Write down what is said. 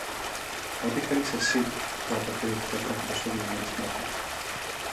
Ό,τι θέλεις εσύ, του αποκρίθηκα τρέχοντας στο διαμέρισμα του